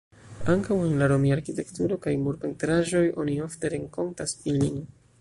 Ankaŭ en la romia arkitekturo kaj murpentraĵoj oni ofte renkontas ilin.